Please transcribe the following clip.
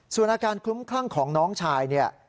ส่วนอาการคลุ้มคลั่งของน้องชายเนี่ย